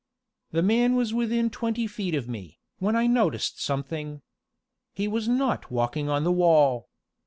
The man was within twenty feet of me, when I noticed something. He was not walking on the wall.